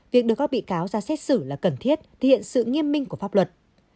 việc được các bị cáo ra xét xử là cần thiết thiện sự nghiêm minh của pháp luật